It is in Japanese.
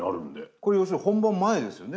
これ要するに本番前ですよね。